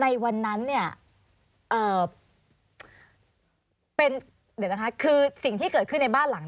ในวันนั้นเนี่ยเป็นเดี๋ยวนะคะคือสิ่งที่เกิดขึ้นในบ้านหลัง